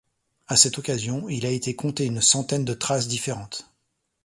À cette occasion, il a été compté une centaine de traces différentes.